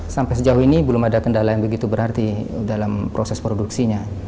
sampai sejauh ini belum ada kendala yang begitu berarti dalam proses produksinya